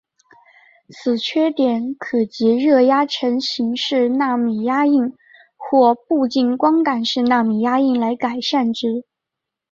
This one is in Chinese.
此缺点可藉热压成形式奈米压印或步进光感式奈米压印来改善之。